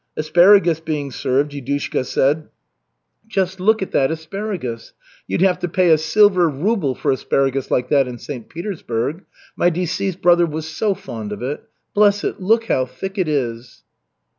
Asparagus being served, Yudushka said: "Just look at that asparagus! You'd have to pay a silver ruble for asparagus like that in St. Petersburg. My deceased brother was so fond of it. Bless it, look how thick it is."